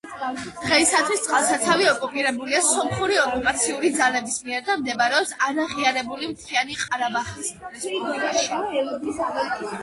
დღეისთვის წყალსაცავი ოკუპირებულია სომხური ოკუპაციური ძალების მიერ და მდებარეობს არაღიარებული მთიანი ყარაბაღის რესპუბლიკაში.